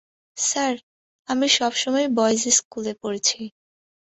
Sir, আমি সবসময়ই boys স্কুলে পড়েছি।